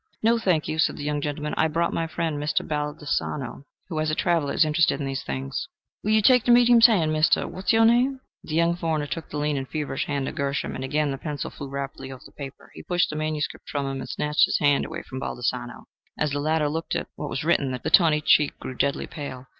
"No, thank you," said the young gentleman. "I brought my friend, Mr. Baldassano, who, as a traveler, is interested in these things." "Will you take the medium's hand, Mr. What's your name?" The young foreigner took the lean and feverish hand of Gershom, and again the pencil flew rapidly over the paper. He pushed the manuscript from him and snatched his hand away from Baldassano. As the latter looked at what was written, his tawny cheek grew deadly pale.